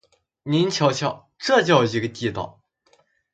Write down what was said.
您瞧瞧，这叫一个地道！